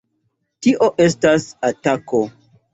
Tio estas atako!